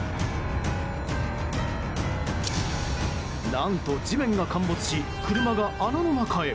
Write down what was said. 何と、地面が陥没し車が穴の中へ。